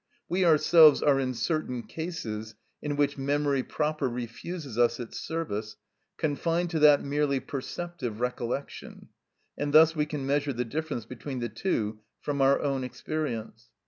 We ourselves are in certain cases, in which memory proper refuses us its service, confined to that merely perceptive recollection, and thus we can measure the difference between the two from our own experience.